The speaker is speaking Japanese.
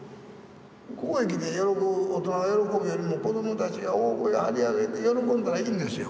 ここへ来て大人が喜ぶよりも子どもたちが大声張り上げて喜んだらいいんですよ。